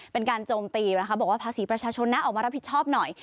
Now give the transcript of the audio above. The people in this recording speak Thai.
โจมตีนะคะบอกว่าภาษีประชาชนนะออกมารับผิดชอบหน่อย